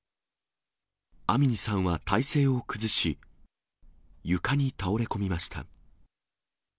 アミニさんは体勢を崩し、床に倒れ込みました。